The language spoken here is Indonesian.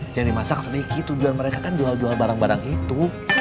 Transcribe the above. dia dimasak sedikit tujuan mereka kan jual jual barang barang itu